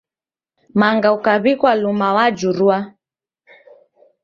Manga ukaw'ikwa luma wajurua.